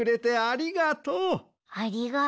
ありがとう。